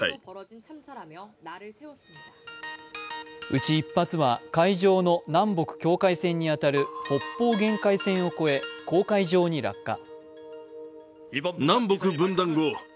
うち１発は海上の南北境界線に当たる北方限界線を越え、公海上に落下。